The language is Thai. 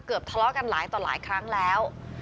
เกือบทะเลาะกันหลายครั้งแล้ว